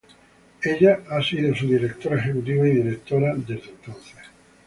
Ella ha sido su Directora Ejecutiva y Directora desde entonces.